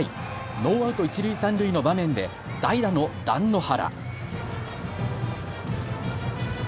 ノーアウト一塁三塁の場面で代打の團之原。